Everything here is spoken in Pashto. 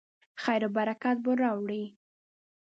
خیر او برکت به راوړي.